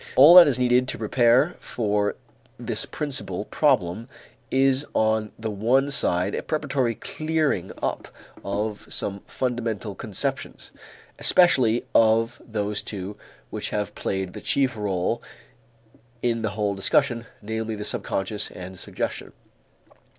All that is needed to prepare for this principal problem is on the one side a preparatory clearing up of some fundamental conceptions, especially of those two which have played the chief rôle in the whole discussion, namely the subconscious and suggestion.